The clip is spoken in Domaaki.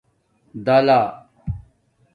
دَلہ